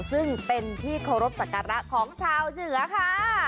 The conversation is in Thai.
ซึ่งเป็นที่เคารพสักการะของชาวเหนือค่ะ